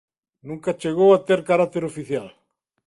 Nunca chegou a ter carácter oficial.